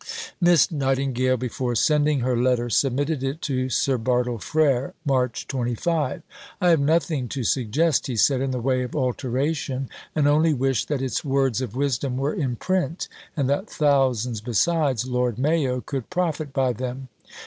Miss Nightingale, before sending her letter, submitted it to Sir Bartle Frere (March 25). "I have nothing to suggest," he said, "in the way of alteration, and only wish that its words of wisdom were in print, and that thousands besides Lord Mayo could profit by them.